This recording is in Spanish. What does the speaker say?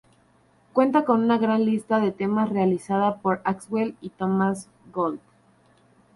Cuenta con una gran lista de temas realizada por Axwell y Thomas Gold.